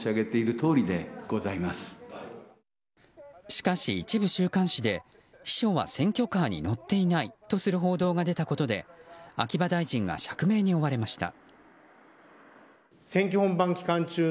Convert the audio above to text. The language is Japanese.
しかし、一部週刊誌で秘書は選挙カーに乗っていないとする報道が出たことで秋葉大臣が釈明に追われました。